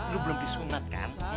lu belum disunat kan